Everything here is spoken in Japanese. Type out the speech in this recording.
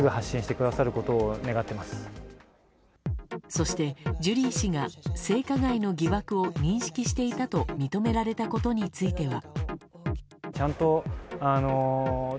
そしてジュリー氏が性加害の疑惑を認識していたと認められたことについては。